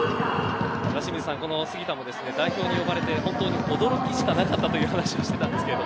岩清水さん、この杉田も代表に呼ばれて、本当に驚きしかなかったという話をしていたんですが。